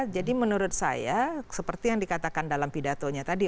jadi menurut saya seperti yang dikatakan dalam pidatonya tadi